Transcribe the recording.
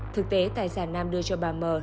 thực tế tài sản nam đưa cho bà m